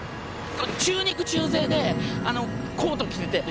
中肉中背でコート着てて。